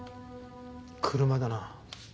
車だな。